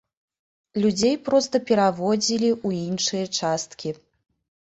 Людзей проста пераводзілі ў іншыя часткі.